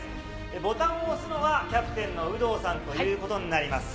ボタンを押すのはキャプテンの有働さんということになります。